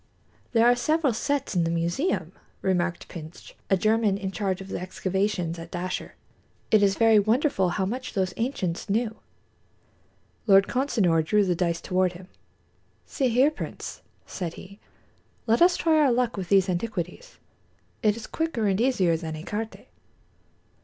"There are several sets in the museum," remarked Pintsch, a German in charge of the excavations at Dashur. "It is very wonderful how much those ancients knew." Lord Consinor drew the dice toward him. "See here, Prince," said he, "let us try our luck with these antiquities. It is quicker and easier than écarté."